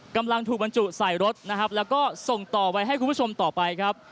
กำลังถูกบรรจุใส่รถนะครับแล้วก็ส่งต่อไปให้คุณผู้ชมต่อไปครับ